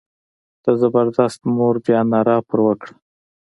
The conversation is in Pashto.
د زبردست مور بیا ناره پر وکړه.